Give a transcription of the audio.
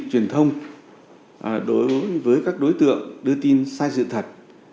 truyền thông đối với các đối tượng đưa tin sai sự thật